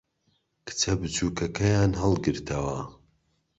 کچە بچووکەکەیان ھەڵگرتەوە.